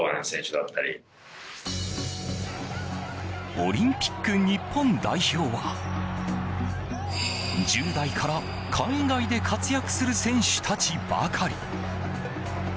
オリンピック日本代表は１０代から海外で活躍する選手たちばかり。